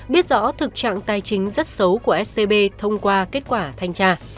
biết rõ thực trạng tài chính rất xấu của scb thông qua kết quả thanh tra